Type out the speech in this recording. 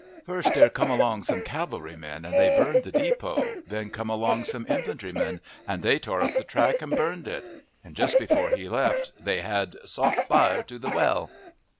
"First, there come along some cavalry men, and they burned the depot; then come along some infantry men, and they tore up the track, and burned it;" and just before he left they had "sot fire to the well."